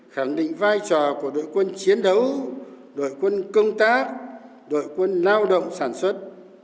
khẳng định vai trò của đội quân chiến đấu đội quân công tác đội quân lao động sản xuất